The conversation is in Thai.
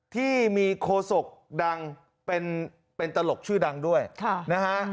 ที่มีโคศกดังเป็นตลกชื่อดังด้วยนะฮะ